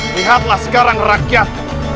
lihatlah sekarang rakyat